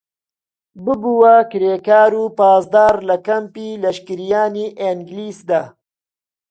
ببووە کرێکار و پاسدار لە کەمپی لەشکریانی ئێنگلیسدا